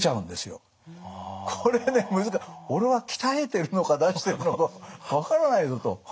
これね俺は鍛えてるのか出してるのか分からないぞと。